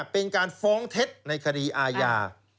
เป็นการฟ้องเท็จในคดีอาญา